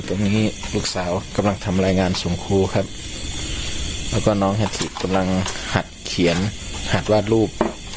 ตอนนี้ลูกสาวกำลังทำรายงานส่งครูครับแล้วก็น้องแฮทิกำลังหัดเขียนหัดวาดรูป